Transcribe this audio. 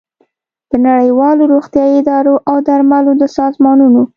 د نړیوالو روغتیايي ادارو او د درملو د سازمانونو